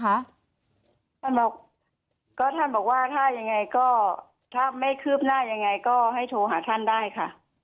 ท่านบอกว่าถ้าไม่คืบหน้ายังไงก็ให้โทรหาท่านได้ค่ะ